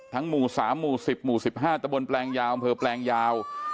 หมู่๓หมู่๑๐หมู่๑๕ตะบนแปลงยาวอำเภอแปลงยาว